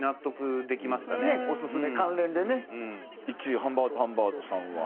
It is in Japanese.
１位ハンバートハンバートさんは？